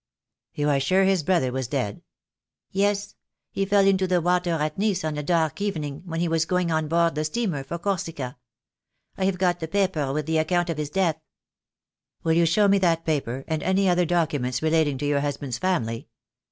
"You are sure his brother was dead?" "Yes; he fell into the water at Nice on a dark even The Day will come. I. I 3 194 THE DAY WILL COME. ing, when he was going on board the steamer for Corsica. I have got the paper with the account of his death." "Will you show me that paper, and any other docu ments relating to your husband's family?